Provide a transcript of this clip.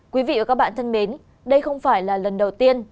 quý vị và các bạn thân mến đây không phải là lần đầu tiên